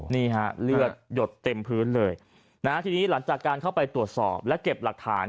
นี่ฮะเลือดหยดเต็มพื้นเลยนะฮะทีนี้หลังจากการเข้าไปตรวจสอบและเก็บหลักฐาน